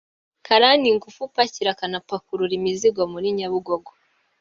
Karani ngufu upakira akanapakurura imizigo muri Nyabugogo